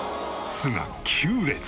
巣が９列。